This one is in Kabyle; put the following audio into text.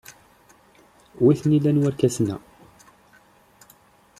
Wi t-nilan warkasen-a?